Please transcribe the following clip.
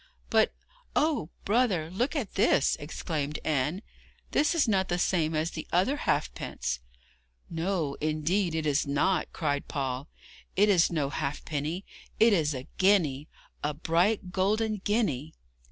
'But, oh, brother, look at this!' exclaimed Anne; 'this is not the same as the other halfpence.' 'No, indeed, it is not,' cried Paul; 'it is no halfpenny. It is a guinea a bright golden guinea!'